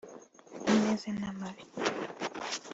ameza n’amabi